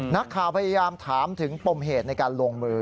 นักข่าวพยายามถามถึงปมเหตุในการลงมือ